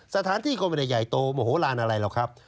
สถานที่ก็ไม่ได้ใหญ่โตโมโหลานอะไรหรอกครับ